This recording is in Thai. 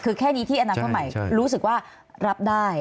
คือแค่นี้ที่อนาคตใหม่รู้สึกว่ารับได้